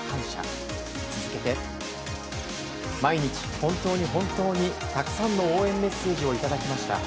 続けて、毎日本当に本当にたくさんの応援メッセージをいただきました。